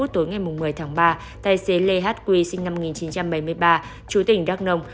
tối ngày một mươi tháng ba tài xế lê hát quy sinh năm một nghìn chín trăm bảy mươi ba chú tỉnh đắk nông